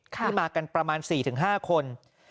ที่มากันประมาณ๔๕คน